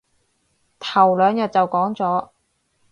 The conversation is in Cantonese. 頭兩日就講咗